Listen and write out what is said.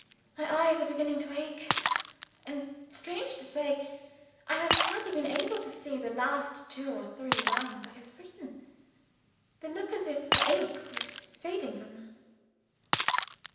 My eyes are beginning to ache; and, strange to say, I have hardly been able to see the last two or three lines I have written. They look as if the ink was fading from them.